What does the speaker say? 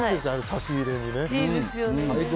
差し入れにね。